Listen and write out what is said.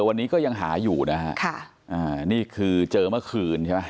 วันนี้ก็ยังหาอยู่นะฮะค่ะอ่านี่คือเจอเมื่อคืนใช่ไหม